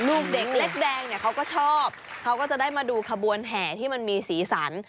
ลูกเด็กเล็กแดงเนี่ยเขาก็ชอบเขาก็จะได้มาดูขบวนแห่ที่มันมีสีสัน